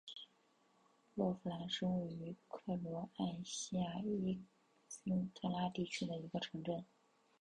洛夫兰是位于克罗埃西亚伊斯特拉地区的一个城镇。